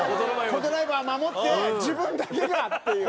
コ・ドライバー守って自分だけがっていう。